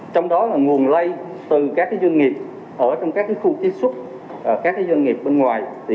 trong đó nguồn lây từ các doanh nghiệp ở trong các khu tiếp xúc các doanh nghiệp bên ngoài